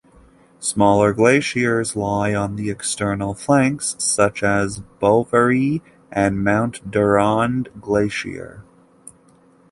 Smaller glaciers lie on the external flanks such as Boveire and Mont Durand Glacier.